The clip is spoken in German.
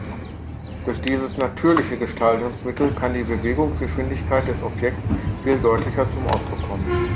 Durch dieses „natürliche“ Gestaltungsmittel kann die Bewegungsgeschwindigkeit des Objekts viel deutlicher zum Ausdruck kommen.